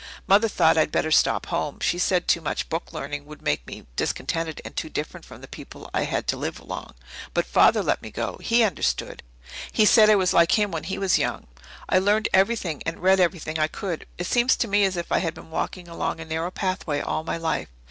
Mother thought I'd better stop home; she said too much book learning would make me discontented and too different from the people I had to live along. But Father let me go; he understood; he said I was like him when he was young. I learned everything and read everything I could. It seems to me as if I had been walking along a narrow pathway all my life.